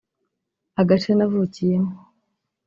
Agace navukiyemo